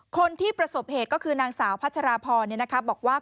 คนที่ประสบเหตุก็คือนางสาวพัชราพรบอกว่า